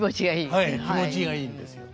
はい気持ちがいいんですよ。